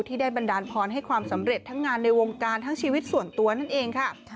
ที่ได้บันดาลพรให้ความสำเร็จทั้งงานในวงการทั้งชีวิตส่วนตัวนั่นเองค่ะ